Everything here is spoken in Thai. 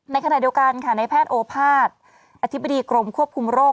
ขณะเดียวกันค่ะในแพทย์โอภาษย์อธิบดีกรมควบคุมโรค